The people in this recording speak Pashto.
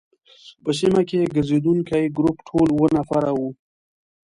په سیمه کې ګرزېدونکي ګروپ ټول اووه نفره وو.